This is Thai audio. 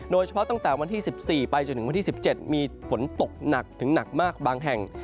ตั้งแต่วันที่๑๔ไปจนถึงวันที่๑๗มีฝนตกหนักถึงหนักมากบางแห่ง